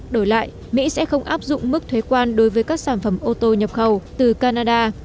đổi lại mỹ sẽ không áp dụng mức thuế quan đối với các sản phẩm ô tô nhập khẩu từ canada